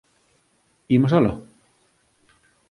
Imos aló?